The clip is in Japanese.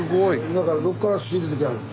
だからどっから仕入れてきはる？